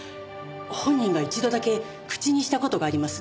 本人が一度だけ口にした事があります。